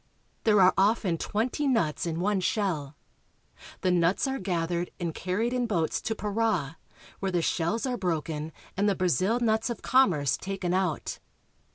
There are often twenty nuts in one On the Rio Negro. shell. The nuts are gathered and carried in boats to Para,f where the shells are broken and the Brazil nuts of com merce taken out.